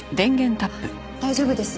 あっ大丈夫です。